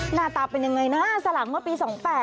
หน้าตาเป็นยังไงนะสลังเมื่อปี๒๘